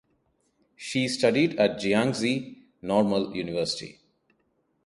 She studied at Jiangxi Normal University.